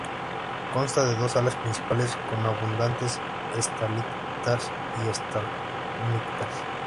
Consta de dos salas principales con abundantes estalactitas y estalagmitas.